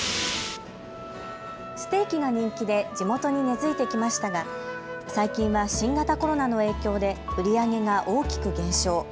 ステーキが人気で地元に根づいてきましたが最近は新型コロナの影響で売り上げが大きく減少。